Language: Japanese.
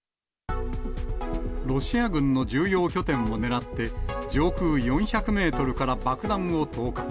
ロシア軍の重要拠点を狙って、上空４００メートルから爆弾を投下。